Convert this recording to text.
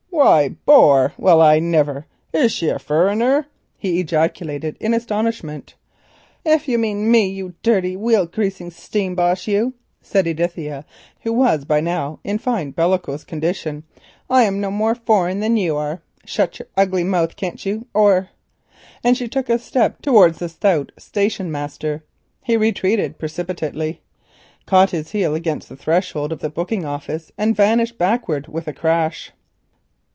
"Why boar! Well I never! Is she a furriner?" he ejaculated in astonishment. "If you mean me," said Edithia, who was by now in fine bellicose condition, "I'm no more foreign than you are. Shut up, can't you? or——" and she took a step towards the stout station master. He retreated precipitately, caught his heel against the threshold of the booking office and vanished backwards with a crash.